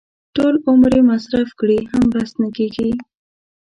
ټول عمر یې مصرف کړي هم بس نه کېږي.